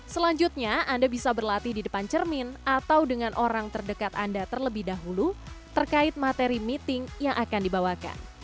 selanjutnya anda bisa berlatih di depan cermin atau dengan orang terdekat anda terlebih dahulu terkait materi meeting yang akan dibawakan